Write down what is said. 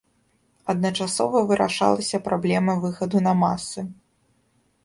Адначасова вырашалася праблема выхаду на масы.